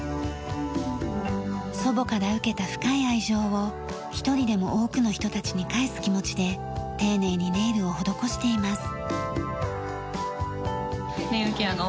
祖母から受けた深い愛情を一人でも多くの人たちに返す気持ちで丁寧にネイルを施しています。